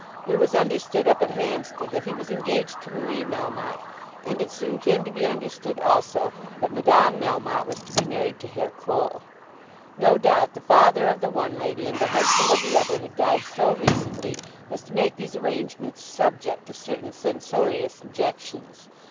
It was understood up at Hampstead that he was engaged to Marie Melmotte, and it soon came to be understood also that Madame Melmotte was to be married to Herr Croll. No doubt the father of the one lady and the husband of the other had died so recently as to make these arrangements subject to certain censorious objections.